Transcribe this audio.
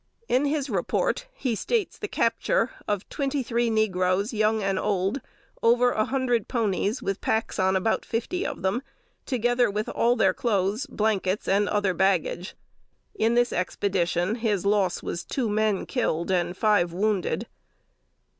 In his report, he states the capture "of twenty three negroes, young and old; over a hundred ponies, with packs on about fifty of them; together with all their clothes, blankets, and other baggage." In this expedition, his loss was two men killed and five wounded.